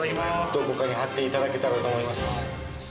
どこかに貼っていただけたらと思います。